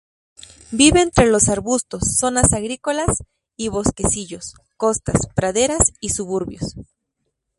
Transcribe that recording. Vive entre los arbustos, zonas agrícolas, y bosquecillos, costas, praderas y suburbios.